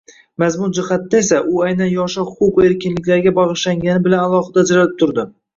Mazmun jihatidan esa, u aynan yoshlar huquq va erkinliklariga bagʻishlangani bilan alohida ajralib turdi.